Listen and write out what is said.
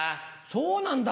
そうなんだ。